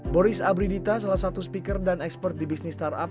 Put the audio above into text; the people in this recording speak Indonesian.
boris abridita salah satu speaker dan expert di bisnis startup